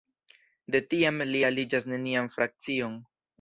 De tiam li aliĝas nenian frakcion.